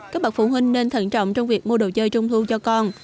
các bậc phụ huynh nên thận trọng trong việc mua đồ chơi trung thu cho con